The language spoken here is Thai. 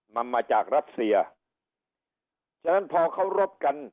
มันมาจากรัสเซียฉะนั้นพอเขารบกัน